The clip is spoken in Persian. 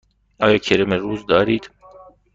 آیا کرم روز دارید؟